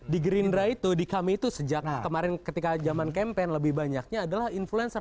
di gerindra itu di kami itu sejak kemarin ketika zaman campaign lebih banyaknya adalah influencer